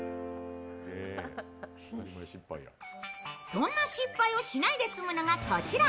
そんな失敗をしないで済むのがこちら。